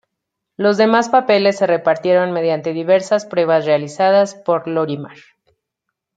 Los demás papeles se repartieron mediante diversas pruebas realizadas por "Lorimar".